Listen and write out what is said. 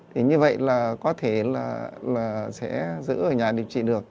thì như vậy là có thể là sẽ giữ ở nhà điều trị được